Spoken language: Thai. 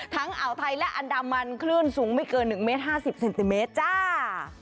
อ่าวไทยและอันดามันคลื่นสูงไม่เกิน๑เมตร๕๐เซนติเมตรจ้า